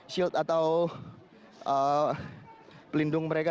shield atau pelindung mereka